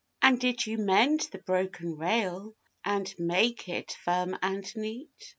And did you mend the broken rail And make it firm and neat?